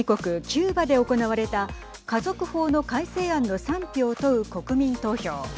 キューバで行われた家族法の改正案の賛否を問う国民投票。